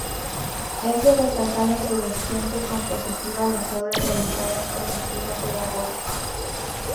Es de resaltar en su vertiente compositiva las obras realizadas con destino pedagógico.